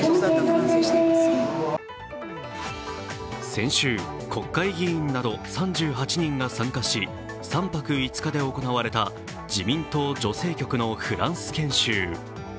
先週、国会議員など３８人が参加し３泊５日で行われた自民党女性局のフランス研修。